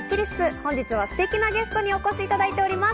本日はすてきなゲストにお越しいただいております。